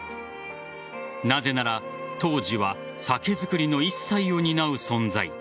なぜなら杜氏は酒造りの一切を担う存在。